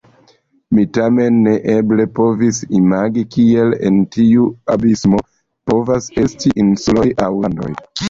Mi tamen neeble povis imagi, kiel en tiu abismo povas esti insuloj aŭ landoj.